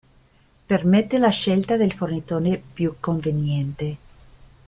Permette la scelta del fornitore più conveniente.